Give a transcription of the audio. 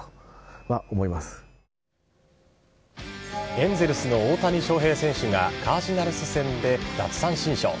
エンゼルスの大谷翔平選手がカージナルス戦で奪三振ショー。